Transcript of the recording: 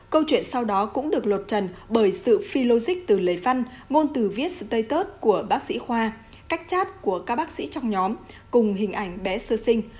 câu chuyện sau đó cũng được lột trần bởi sự phi logic từ lề văn ngôn từ viết status của bác sĩ khoa cách chat của các bác sĩ trong nhóm cùng hình ảnh bé sơ sinh